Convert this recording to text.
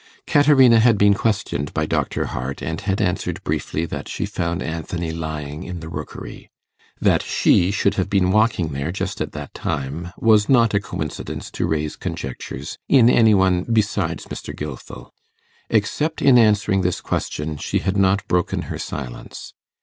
Caterina had been questioned by Dr Hart, and had answered briefly that she found Anthony lying in the Rookery. That she should have been walking there just at that time was not a coincidence to raise conjectures in any one besides Mr. Gilfil. Except in answering this question, she had not broken her silence.